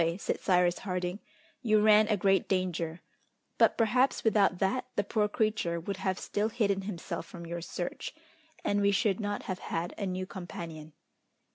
said Cyrus Harding, "you ran a great danger, but, perhaps, without that, the poor creature would have still hidden himself from your search, and we should not have had a new companion."